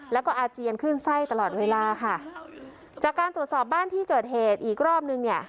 แล้วก็อาเจียนขึ้นไส้ตลอดเวลาค่ะจากการตรวจสอบบ้านที่เกิดเหตุอีกรอบนึงเนี่ย